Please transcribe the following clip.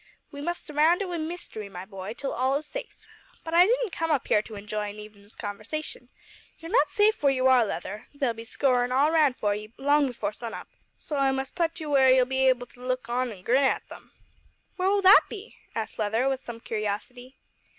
We must surround it wi' mystery, my boy, till all is safe. But I didn't come up here to enjoy an evenin's conversation. You're not safe where you are, Leather. They'll be scourin' all round for you long before sun up, so I must putt you where you'll be able to look on an' grin at them." "Where will that be?" asked Leather, with some curiosity.